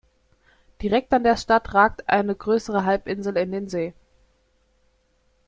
Direkt an der Stadt ragt eine größere Halbinsel in den See.